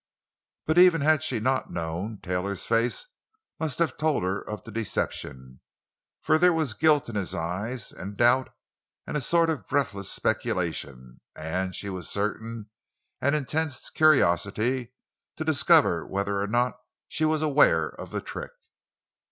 But even had she not known, Taylor's face must have told her of the deception. For there was guilt in his eyes, and doubt, and a sort of breathless speculation, and—she was certain—an intense curiosity to discover whether or not she was aware of the trick.